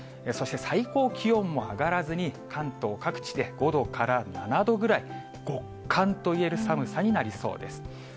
そして最高気温も上がらずに、関東各地で５度から７度ぐらい、極寒といえる寒さになりそうです。